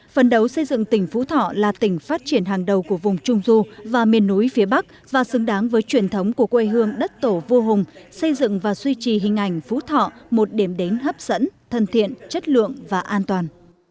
phần đầu xây dựng tỉnh phú thọ là tỉnh phát triển hàng đầu của vùng trung du và miền núi phía bắc và xứng đáng với truyền thống của quê hương đất tổ vô hùng xây dựng và duy trì hình ảnh phú thọ một điểm đến hấp dẫn thân thiện chất lượng và an toàn